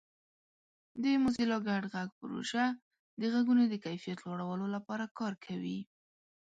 د موزیلا ګډ غږ پروژه د غږونو د کیفیت لوړولو لپاره کار کوي.